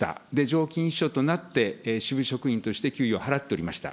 常勤秘書となって、支部職員として給与を払っておりました。